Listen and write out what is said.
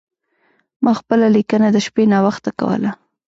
ما خپله لیکنه د شپې ناوخته کوله.